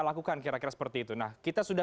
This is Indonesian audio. lakukan kira kira seperti itu nah kita sudah